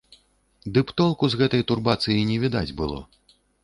Ды б толку з гэтай турбацыі не відаць было.